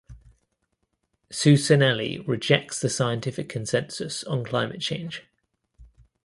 Cuccinelli rejects the scientific consensus on climate change.